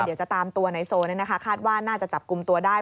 เดี๋ยวจะตามตัวนายโซคาดว่าน่าจะจับกลุ่มตัวได้